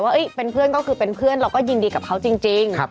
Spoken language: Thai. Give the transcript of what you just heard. ว่าเป็นเพื่อนก็คือเป็นเพื่อนเราก็ยินดีกับเขาจริง